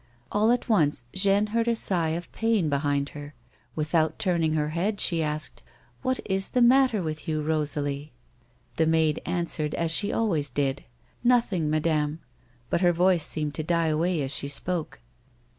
All at once Jeanne heard a sigh of jiain beliind her. Without turning iier head, she asked, "What is the matter with yon, Itosalie !" The maid answered as she always did, Nothing, madamo," but her voice seemed to die away as she spoke.